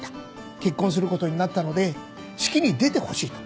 結婚することになったので式に出てほしいと。